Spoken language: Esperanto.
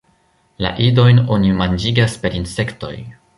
La idojn oni manĝigas per insektoj.